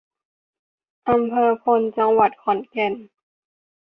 อำเภอพล จังหวัดขอนแก่น